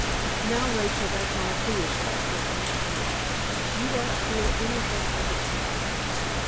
"Now, Rachel, that's all foolishness," said Uncle Tim. "You don't feel anything of the kind."